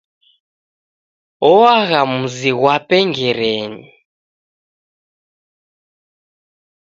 Oagha muzi ghwape Ngerenyi.